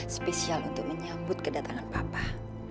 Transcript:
spesial untuk menyambut kedatangan papa